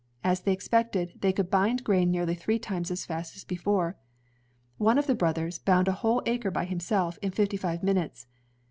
As they expected, they could bind grain nearly three times as fast as before. One of the brothers bound a whole acre by himself, in fifty five minutes.